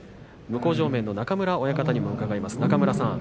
向正面の中村親方にも伺います。